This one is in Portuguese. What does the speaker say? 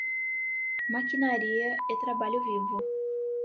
Maquinaria e Trabalho Vivo